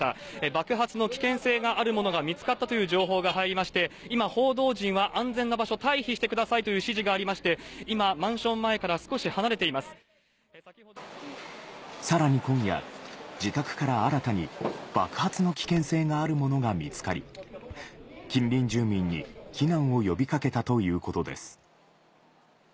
爆発の危険性があるものが見つかったという情報が入りまして、今、報道陣は安全な場所、退避してくださいという指示がありまして、今、マンション前からさらに今夜、自宅から新たに爆発の危険性があるものが見つかり、近隣住民に避難を呼びかけたということです。